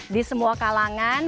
di semua kalangan